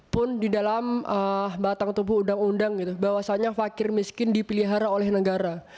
pun di dalam batang tubuh undang undang bahwasannya fakir miskin dipelihara oleh negara